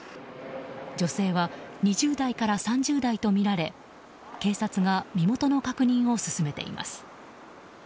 女性は２０代から３０代とみられ警察が身元の確認を進めています。